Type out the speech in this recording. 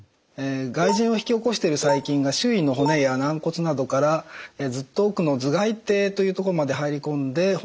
外耳炎を引き起こしている細菌が周囲の骨や軟骨などからずっと奥の頭がい底というところまで入り込んで骨を壊したりします。